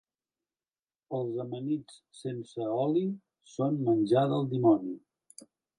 Els amanits sense oli són menjar del dimoni.